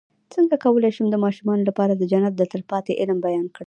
څنګه کولی شم د ماشومانو لپاره د جنت د تل پاتې علم بیان کړم